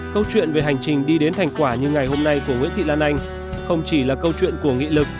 câu chuyện về hành trình đi đến thành quả như ngày hôm nay của nguyễn thị lan anh